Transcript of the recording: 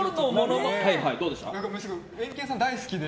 僕、エンケンさん大好きで。